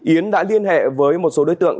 yến đã liên hệ với một số đối tượng